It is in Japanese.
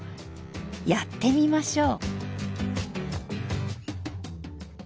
やってみましょう。